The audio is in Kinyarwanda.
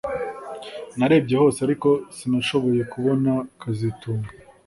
Narebye hose ariko sinashoboye kubona kazitunga